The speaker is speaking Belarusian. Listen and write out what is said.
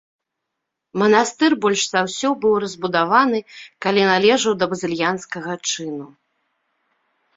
Манастыр больш за ўсё быў разбудованы, калі належаў да базыльянскага чыну.